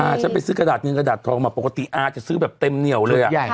ฉันไปซื้อกระดาษเงินกระดาษทองมาปกติอาจะซื้อแบบเต็มเหนียวเลยอ่ะ